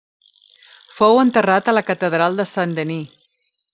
Fou enterrat a la catedral de Saint-Denis.